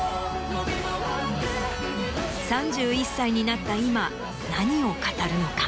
３１歳になった今何を語るのか？